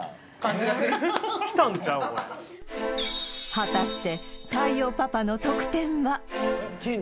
果たして太陽パパの得点は？